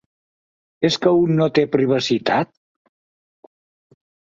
Es que un no té privacitat?